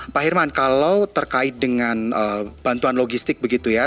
pak herman kalau terkait dengan bantuan logistik begitu ya